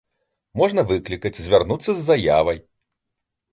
Можна выклікаць, звярнуцца з заявай.